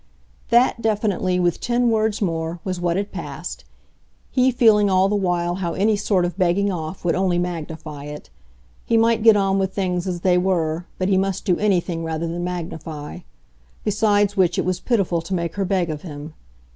That, definitely, with ten words more, was what had passed he feeling all the while how any sort of begging off would only magnify it. He might get on with things as they were, but he must do anything rather than magnify. Besides which it was pitiful to make her beg of him.